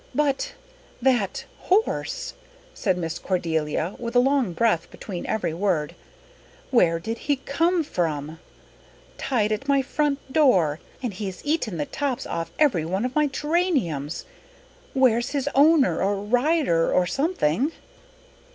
"But that horse," said Miss Cordelia, with a long breath between every word. "Where did he come from? Tied at my front door and he's eaten the tops off every one of my geraniums! Where's his owner or rider or something?"